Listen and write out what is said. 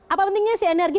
apa pentingnya si energi